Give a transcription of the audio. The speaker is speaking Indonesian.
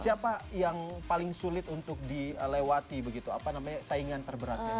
siapa yang paling sulit untuk dilewati begitu apa namanya saingan terberatnya